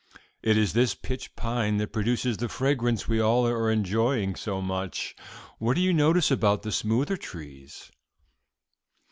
It is the pitch pine that produces the fragrance we are all enjoying so much. What do you notice about the smoother trees?"